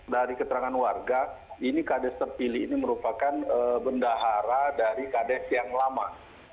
dari keterangan warga ini kades terpilih ini merupakan bendahara dari kades yang lama